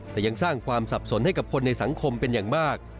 แต่ยังสร้างความสับสนให้กับคนในสังคมเป็นอย่างมาก